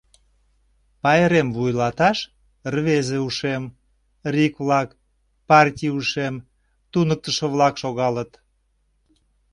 Пайрем вуйлаташ рвезе ушем, РИК-влак, партий ушем, туныктышо-влак шогалыт.